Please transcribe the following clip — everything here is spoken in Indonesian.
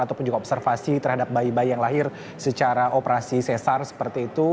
ataupun juga observasi terhadap bayi bayi yang lahir secara operasi sesar seperti itu